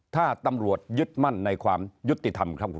ถ้าตำรวจยึดมั่นในความยุติธรรมครับคุณ